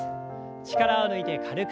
力を抜いて軽く。